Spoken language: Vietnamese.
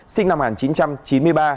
sinh năm một nghìn chín trăm chín mươi ba